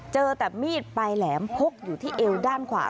เจอแต่มีดปลายแหลมพกอยู่ที่เอวด้านขวา